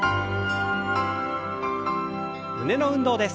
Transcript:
胸の運動です。